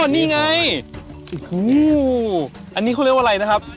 อ๋อนี่ไงอันนี้คุณเรียกว่าอะไรนะครับ